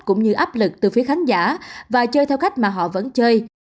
cũng như áp lực từ phía khán giả và chơi theo cách mà họ vẫn chơi